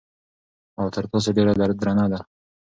او تر تاسو ډېره درنه ده